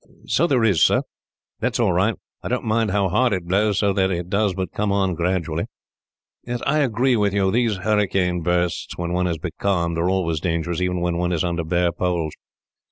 "So there is, sir. That is all right. I don't mind how hard it blows, so that it does but come on gradually." "I agree with you. These hurricane bursts, when one is becalmed, are always dangerous, even when one is under bare poles."